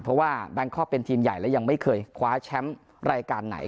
เพราะว่าแบงคอกเป็นทีมใหญ่และยังไม่เคยคว้าแชมป์รายการไหน